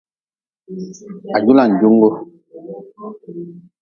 Hajulanjungu.